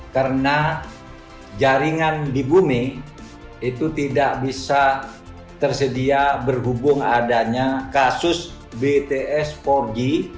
karena jaringan di bumi itu tidak bisa tersedia berhubung adanya kasus bts empat g